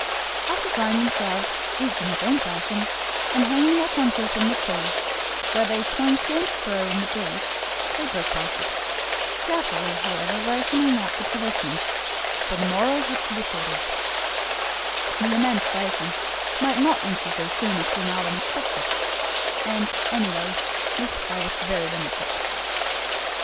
After drying themselves, each in his own fashion, and hanging their ponchos on the tree, where they were swung to and fro in the breeze, they breakfasted, carefully however rationing out the provisions, for the morrow had to be thought of; the immense basin might not empty so soon as Glenarvan expected, and, anyway, the supply was very limited.